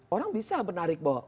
orang bisa menarik bahwa